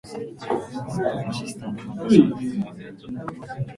背中をたたく大外刈り、組み手も切れます。